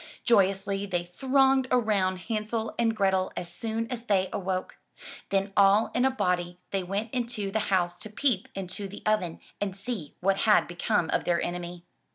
Joyously they thronged around Hansel and Grethel as soon as they awoke. Then all in a body they went into the house to peep into the oven and see what had become of their enemy.